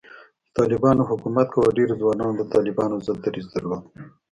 کله چې طالبانو حکومت کاوه، ډېرو ځوانانو د طالبانو ضد دریځ درلود